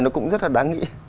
nó cũng rất là đáng nghĩ